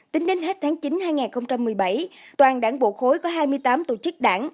tính đến hết tháng chín hai nghìn một mươi bảy toàn đảng bộ khối có hai mươi tám tổ chức đảng